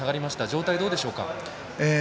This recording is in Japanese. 状態はどうでしょうか？